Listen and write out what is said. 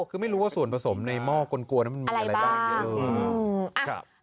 คือไม่รู้ว่าส่วนผสมในหม้อกลวนั้นมันมีอะไรบ้างเยอะ